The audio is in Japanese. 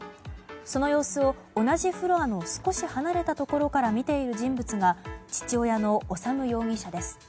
その様子を同じフロアの少し離れたところから見ている人物が父親の修容疑者です。